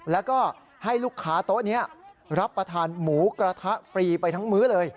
แล้วก็ให้ลูกค้าโต๊ะนี้รับประทานหมูกระทะฟรีไปทั้งมื้อเลย